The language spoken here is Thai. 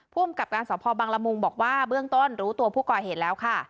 ภูมิกับการสพบังละมุงบอกว่าเบื้องต้นรู้ตัวผู้ก่อเหตุแล้วค่ะ